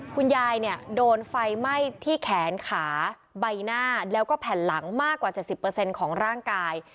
คุณยายเนี่ยโดนไฟไหม้ที่แขนขาใบหน้าแล้วก็แผ่นหลังมากกว่า๗๐ของร่างกาย